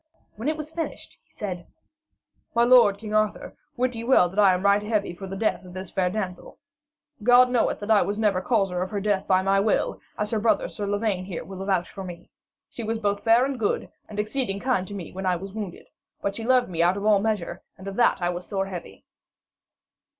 When it was finished, he said: 'My lord, King Arthur, wit ye well that I am right heavy for the death of this fair damsel. God knoweth that I was never causer of her death by my will, as her brother Sir Lavaine here will avouch for me. She was both fair and good, and exceeding kind to me when I was wounded; but she loved me out of all measure, and of that I was sore heavy.'